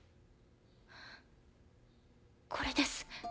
これです！